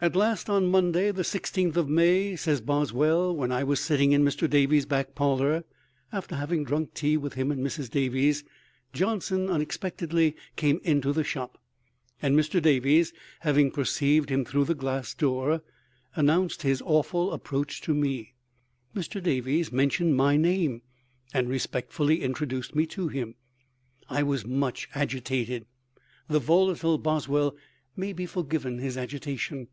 "At last, on Monday, the 16th of May," says Boswell, "when I was sitting in Mr. Davies's back parlor, after having drunk tea with him and Mrs. Davies, Johnson unexpectedly came into the shop; and Mr. Davies, having perceived him through the glass door, announced his awful approach to me. Mr. Davies mentioned my name, and respectfully introduced me to him. I was much agitated." The volatile Boswell may be forgiven his agitation.